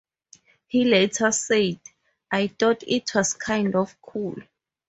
He later said "I thought it was kind of cool".